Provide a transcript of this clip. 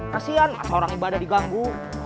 kasian orang ibadah diganggu